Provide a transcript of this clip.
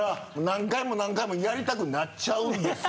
何回も何回もやりたくなっちゃうんですよ。